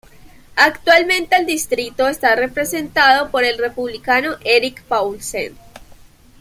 Actualmente el distrito está representado por el Republicano Erik Paulsen.